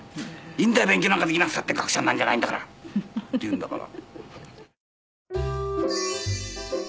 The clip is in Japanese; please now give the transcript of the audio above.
「いいんだよ勉強なんかできなくたって学者になるんじゃないんだから」って言うんだから。